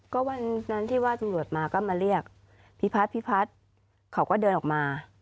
ก็วันนั้นที่ว่าตำรวจมาก็มาเรียกพี่พัฒนพิพัฒน์เขาก็เดินออกมา